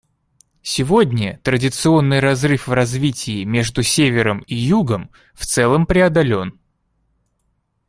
Сегодня традиционный разрыв в развитии между Севером и Югом в целом преодолен.